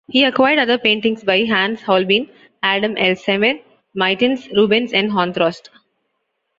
He acquired other paintings by Hans Holbein, Adam Elsheimer, Mytens, Rubens, and Honthorst.